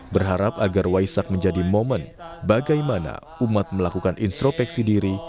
berharap agar waisak menjadi momen bagaimana umat melakukan instropeksi diri